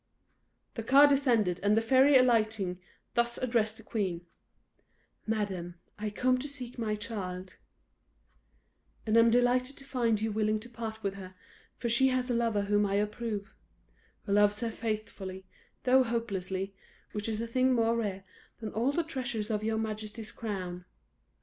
The car descended, and the fairy alighting thus addressed the queen: "Madam, I come to seek my child, and am delighted to find you willing to part with her, for she has a lover whom I approve; who loves her faithfully, though hopelessly, which is a thing more rare than all the treasures of your majesty's crown."